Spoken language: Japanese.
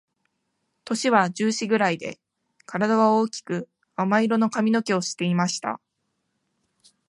年は十四ぐらいで、体は大きく亜麻色の髪の毛をしていました。